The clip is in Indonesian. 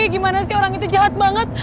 gimana sih orang itu jahat banget